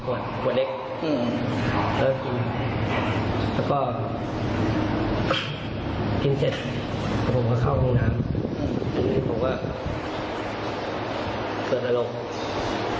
ก็จะโกนเสียงดังจะอุดปากเขาไว้เพราะว่าการคนอื่นเสียงดังน่ะ